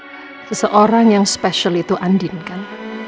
seseorang yang spesial itu andin kan